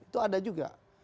itu ada juga